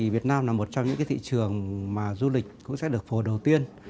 việt nam là một trong những thị trường mà du lịch cũng sẽ được phổ đầu tiên